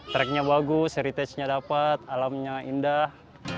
tracknya bagus heritage nya dapat alamnya indah